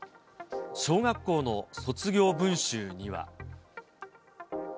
小学校の卒業文集には。